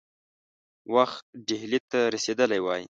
وخت ډهلي ته رسېدلی وای.